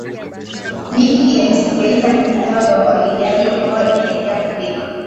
mingi imetekeleza mitandao ya ufuatiliaji ambayo inaendelea kupima